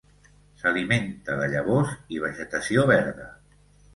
S'alimenta de llavors i vegetació verda.